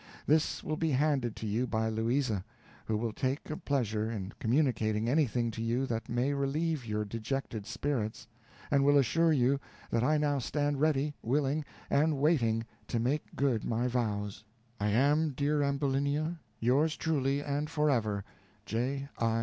This will be handed to you by Louisa, who will take a pleasure in communicating anything to you that may relieve your dejected spirits, and will assure you that I now stand ready, willing, and waiting to make good my vows. I am, dear Ambulinia, yours truly, and forever, J. I.